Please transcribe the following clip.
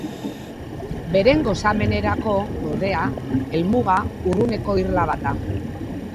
Beren gozamenerako, ordea, helmuga, urruneko irla bat da.